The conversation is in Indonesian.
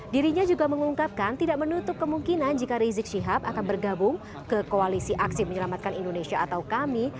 dirinya juga mengungkapkan tidak menutup kemungkinan jika rizik syihab akan bergabung ke koalisi aksi menyelamatkan indonesia atau kami